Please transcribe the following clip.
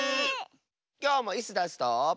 きょうもイスダスと。